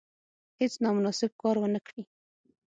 هیڅ نامناسب کار ونه کړي.